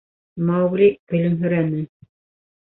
Маугли көлөмһөрәне.